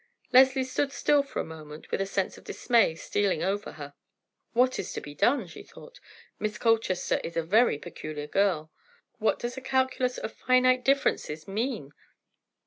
Leslie stood still for a moment with a sense of dismay stealing over her. "What is to be done?" she thought. "Miss Colchester is a very peculiar girl. What does a calculus of finite differences mean?